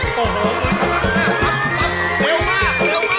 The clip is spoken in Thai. โอ้โหมือชะมัด